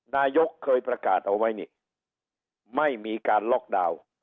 นายกเคยประกาศเอาไว้นี่ไม่มีการล็อกดาวน์